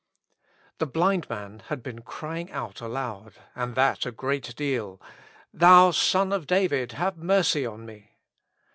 THE blind man had been crying out aloud, and that a great deal, " Thou Son of David, have mercy on me."